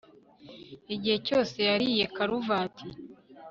Igihe cyose yariye karuvati